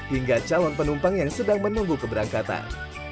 hingga calon penumpang yang sedang menunggu keberangkatan